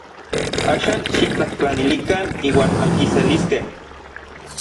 Axan xiktlajtlanilikan iuan ankiseliskej.